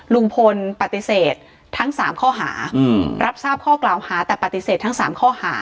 ลุงพลปฏิเสธทั้ง๓ข้อหารับทราบข้อกล่าวหาแต่ปฏิเสธทั้ง๓ข้อหา